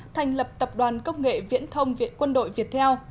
thành lập tập đoàn cốc nghệ viễn thông viện quân đội việt heo